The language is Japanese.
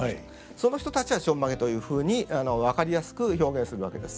その人たちはちょんまげというふうに分かりやすく表現するわけです。